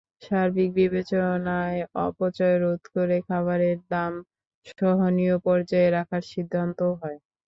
সার্বিক বিবেচনায় অপচয় রোধ করে খাবারের দাম সহনীয় পর্যায়ে রাখার সিদ্ধান্ত হয়।